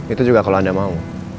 itu juga kalau anda mau